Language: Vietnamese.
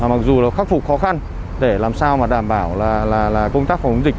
mặc dù khắc phục khó khăn để làm sao đảm bảo công tác phòng dịch